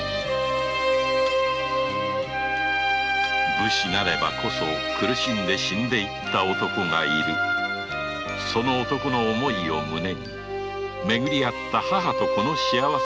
武士なればこそ苦しんで死んでいった男がいるその男の思いを胸にめぐり会った母と子の幸せを祈る吉宗であった